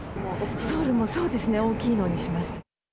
ストールもそうですね、大きいのにしました。